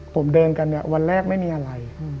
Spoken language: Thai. ผมเดินกันเนี่ยวันแรกไม่มีอะไร